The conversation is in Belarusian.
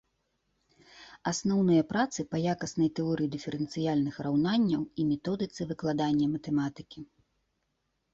Асноўныя працы па якаснай тэорыі дыферэнцыяльных раўнанняў і методыцы выкладання матэматыкі.